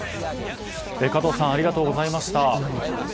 加藤さんありがとうございました。